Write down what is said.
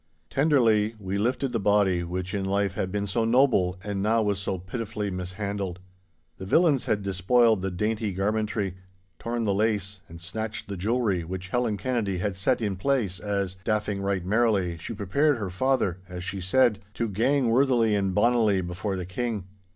Tenderly we lifted the body, which in life had been so noble and now was so pitifully mishandled. The villains had despoiled the dainty garmentry, torn the lace, and snatched the jewellery which Helen Kennedy had set in place as, daffing right merrily, she prepared her father (as she said) to 'gang worthily and bonnily before the King.